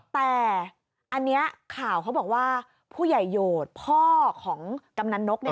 แต่อันนี้ข่าวเขาบอกว่าผู้ใหญ่โหดพ่อของกำนันนก